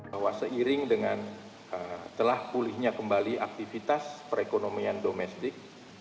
bahwa seiring dengan telah pulihnya kembali aktivitas perekonomian domestik